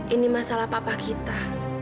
ini masalah papa kita